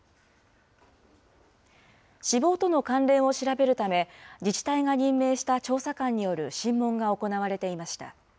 死亡との関連を調べるため、自治体が任命した調査官による審問が行われていました。